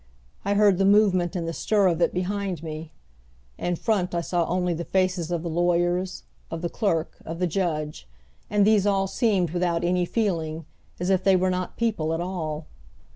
I heard the movement and the stir of it behind me. In front I saw only the faces of the lawyers, of the clerk, of the judge, and these all seemed without any feeling, as if they were not people at all.